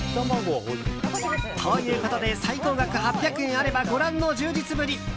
ということで最高額８００円あればご覧の充実ぶり。